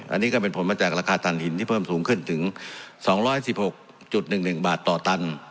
อันนี้ก็เป็นผลมาจากราคาตันหินที่เพิ่มสูงขึ้นถึง๒๑๖๑๑บาทต่อตัน